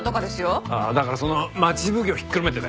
だからその町奉行ひっくるめてだ。